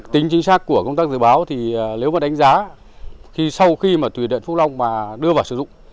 tính chính xác của công tác dự báo thì nếu mà đánh giá khi sau khi mà thủy điện phúc long mà đưa vào sử dụng